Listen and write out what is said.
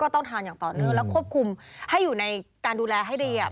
ต้องทานอย่างต่อเนื่องแล้วควบคุมให้อยู่ในการดูแลให้ดีอ่ะ